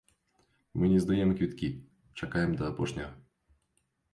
Мы не здаем квіткі, чакаем да апошняга.